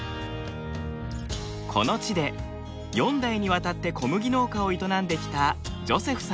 この地で４代にわたって小麦農家を営んできた